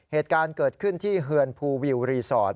เหตุการณ์เกิดขึ้นที่เฮือนภูวิวรีสอร์ท